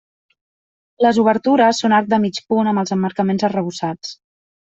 Les obertures són d'arc de mig punt, amb els emmarcaments arrebossats.